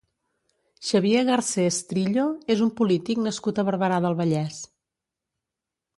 Xavier Garcés Trillo és un polític nascut a Barberà del Vallès.